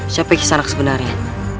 siapa kisanak sebenarnya